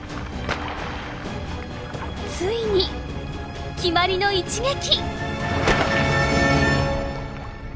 ついに決まりの一撃！